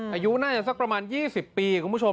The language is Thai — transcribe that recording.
อายุน่าจะสักประมาณ๒๐ปีคุณผู้ชม